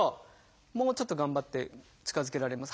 もうちょっと頑張って近づけられます？